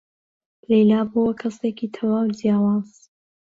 لەیلا بووە کەسێکی تەواو جیاواز.